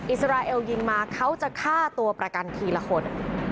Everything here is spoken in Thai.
อิสราเอลยิงมาเขาจะฆ่าตัวประกันทีละคน